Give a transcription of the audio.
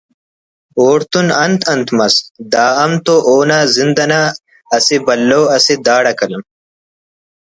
اوڑتون انت انت مس دا ہم تو اونا زند انا اسہ پلّو اسے داڑا قلم